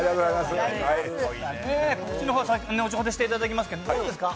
告知のほう、後ほどしていただきますけど、どうですか？